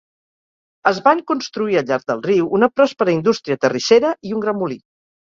Es van construir al llarg del riu una pròspera indústria terrissera i un gran molí.